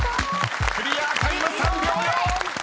［クリアタイム３秒４！］